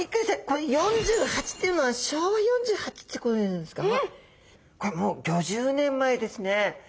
これ「４８」っていうのは昭和４８ってことですか？